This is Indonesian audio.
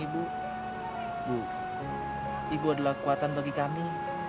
ibu adalah kekuatan bagi kami